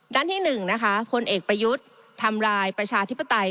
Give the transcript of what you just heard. ด้านที่หนึ่งผลเอกประยุทธ์ทำรายประชาธิปไตย